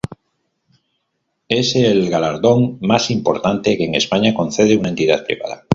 Es el galardón más importante que en España concede una entidad privada.